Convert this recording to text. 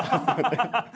ハハハハ！